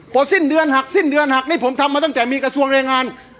พอสิ้นเดือนหักสิ้นเดือนหักนี่ผมทำมาตั้งแต่มีกระทรวงแรงงาน